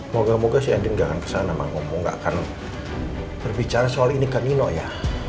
moga moga si andi nggak akan kesana sama ngomong nggak akan berbicara soal ini ke nino ya